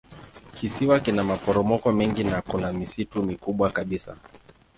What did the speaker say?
Kisiwa kina maporomoko mengi na kuna misitu mikubwa kabisa.